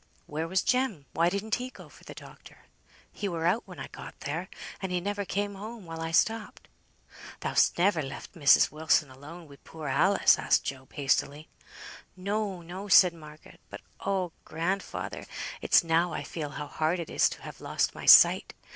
"Where was Jem? Why didn't he go for the doctor?" "He were out when I got there, and he never came home while I stopped." "Thou'st never left Mrs. Wilson alone wi' poor Alice?" asked Job, hastily. "No, no," said Margaret. "But, oh! grandfather; it's now I feel how hard it is to have lost my sight.